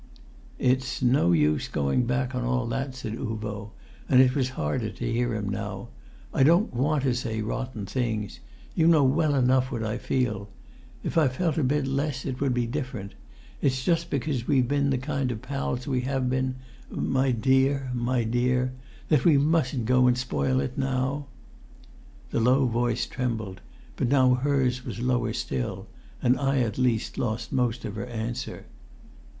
"It's no use going back on all that," said Uvo, and it was harder to hear him now. "I don't want to say rotten things. You know well enough what I feel. If I felt a bit less, it would be different. It's just because we've been the kind of pals we have been ... my dear ... my dear!... that we mustn't go and spoil it now." The low voice trembled, but now hers was lower still, and I at least lost most of her answer